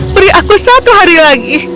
beri aku satu hari lagi